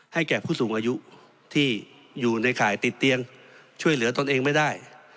แก่ผู้สูงอายุที่อยู่ในข่ายติดเตียงช่วยเหลือตนเองไม่ได้